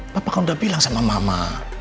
bapak kan udah bilang sama mama